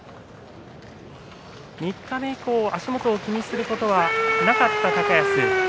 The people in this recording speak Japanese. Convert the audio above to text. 三日目以降、足元を気にすることはなかった高安です。